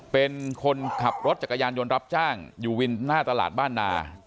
เป็นคนขับรถจักรยานยนต์รับจ้างอยู่วินหน้าตลาดบ้านนา